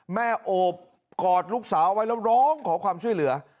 โอบกอดลูกสาวไว้แล้วร้องขอความช่วยเหลือ